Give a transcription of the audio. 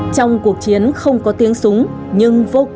trong cuộc chiến không có tiếng súng nhưng vô cùng